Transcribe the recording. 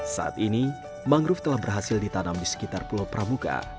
saat ini mangrove telah berhasil ditanam di sekitar pulau pramuka